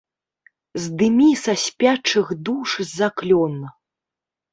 Здымі са спячых душ заклён!